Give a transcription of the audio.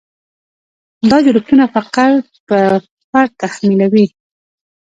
دا جوړښتونه فقر پر فرد تحمیلوي.